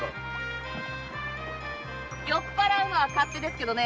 酔っ払うのは勝手ですけどね